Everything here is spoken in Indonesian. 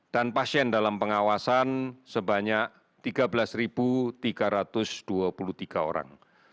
dan pasien dalam pengawasan sebanyak tiga belas tiga ratus dua puluh tiga orang